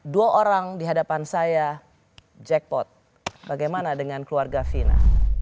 dua orang di hadapan saya jackpot bagaimana dengan keluarga vina